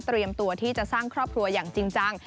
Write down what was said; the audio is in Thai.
เตรียมตัวที่จะสร้างครอบครัวอย่างจริง